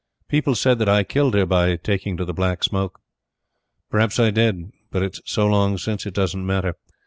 People said that I killed her by taking to the Black Smoke. Perhaps I did, but it's so long since it doesn't matter.